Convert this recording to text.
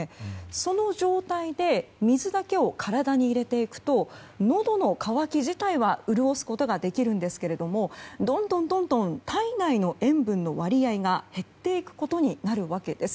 その状態で水だけを体に入れていくとのどの渇き自体は潤すことはできるんですけどどんどん体内の塩分の割合が減っていくことになるわけです。